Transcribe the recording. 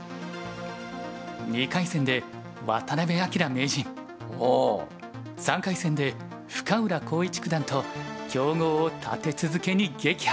２回戦で渡辺明名人３回戦で深浦康市九段と強豪を立て続けに撃破。